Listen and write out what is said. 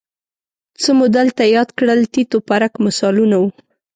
څه مو دلته یاد کړل تیت و پرک مثالونه وو